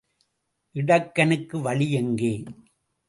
இடக்கனுக்கு வழி எங்கே?